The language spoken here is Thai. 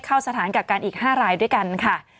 เข้าสถานกักกันอีก๕รายด้วยกันค่ะ